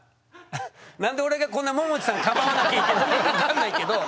何で俺がこんなももちさんかばわなきゃいけないのか分かんないけど。